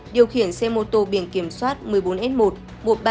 điều khiển xe mô tô biển kiểm soát một mươi bốn s một một trăm ba mươi tám xx